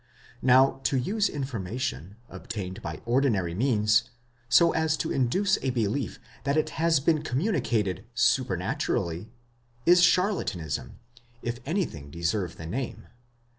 Now to use information, obtained by ordinary means, so as to induce a belief that it has been commu nicated supernaturally, is charlatanism, if anything deserve the name.